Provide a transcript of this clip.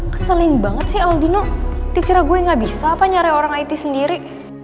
keseling banget sih aldino pikir gue gak bisa apa nyari orang it sendiri